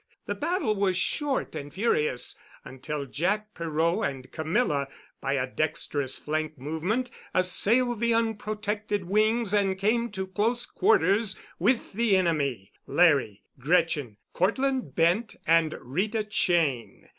The battle was short and furious, until Jack Perot and Camilla by a dexterous flank movement assailed the unprotected wings and came to close quarters with the enemy, Larry, Gretchen, Cortland Bent, and Rita Cheyne.